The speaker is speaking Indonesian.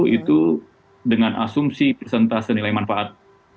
itu dengan asumsi persentase nilai manfaat delapan puluh dua puluh